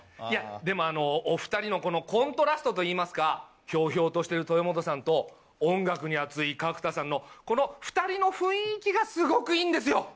いやでもあのお２人のこのコントラストといいますかひょうひょうとしてる豊本さんと音楽に熱い角田さんのこの２人の雰囲気がすごくいいんですよ！